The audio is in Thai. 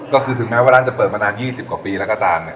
ก็คือถึงแม้ว่าร้านจะเปิดมานาน๒๐กว่าปีแล้วก็ตาม